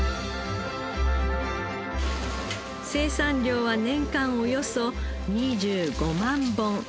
生産量は年間およそ２５万本。